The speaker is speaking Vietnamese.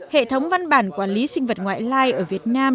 hệ thống văn bản quản lý sinh vật ngoại lai ở việt nam